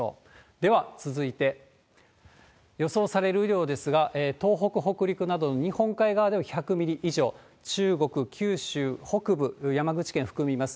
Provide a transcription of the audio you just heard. では、続いて予想される雨量ですが、東北、北陸などの日本海側では１００ミリ以上、中国、九州北部、山口県含みます。